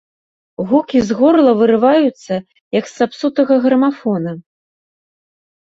Гукі з горла вырываюцца, як з сапсутага грамафона.